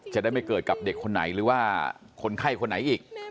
จะได้ไม่เกิดกับเด็กคนไหนหรือว่าคนไข้คนไหนอีก